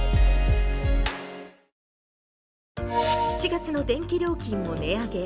７月の電気料金も値上げ。